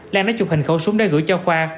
lan đã chụp hình khẩu súng để gửi cho khoa